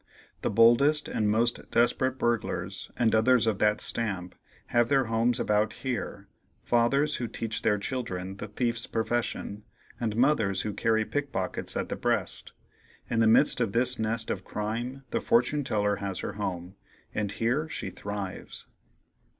The boldest and most desperate burglars, and others of that stamp, have their homes about here—fathers who teach their children the thief's profession, and mothers who carry pickpockets at the breast. In the midst of this nest of crime the fortune teller has her home, and here she thrives.